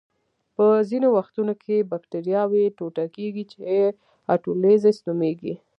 په ځینو وختونو کې بکټریاوې ټوټه کیږي چې اټولیزس نومېږي.